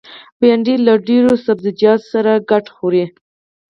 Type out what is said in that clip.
بېنډۍ له ډېرو سبو سره ګډ خوري